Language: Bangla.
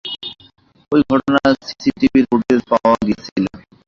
ওই ঘটনার সিসিটিভি ফুটেজও পাওয়া গিয়েছিল।